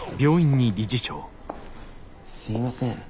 すいません。